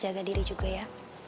jaga diri juga ya